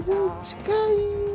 近い。